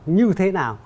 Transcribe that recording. như thế nào